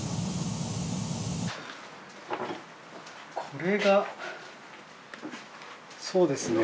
これがそうですね。